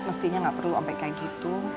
mestinya gak perlu ampe kayak gitu